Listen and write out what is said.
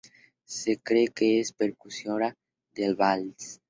Se cree que es precursora del vals.